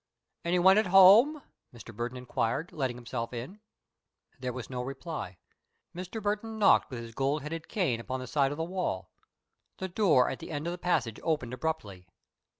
"Any one at home?" Mr. Burton inquired, letting himself in. There was no reply. Mr. Burton knocked with his gold headed cane upon the side of the wall. The door at the end of the passage opened abruptly.